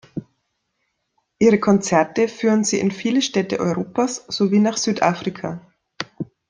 Ihre Konzerte führen sie in viele Städte Europas sowie nach Südafrika.